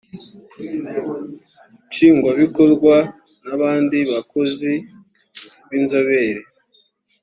nshingwabikorwa n abandi bakozi b inzobere